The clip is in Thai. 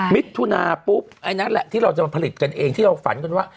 มิถุนาปุ๊บไอ้นั้นแหละที่เราจะมาผลิตกันเองที่เราฝันกันว่า